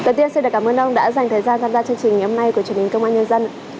đầu tiên xin cảm ơn ông đã dành thời gian tham gia chương trình ngày hôm nay của truyền hình công an nhân dân